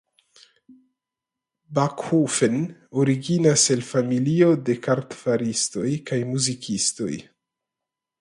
Backofen originas el familio de kartfaristoj kaj muzikistoj.